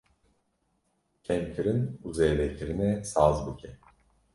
Kêmkirin û zêdekirinê saz bike.